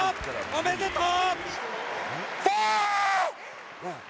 おめでとう！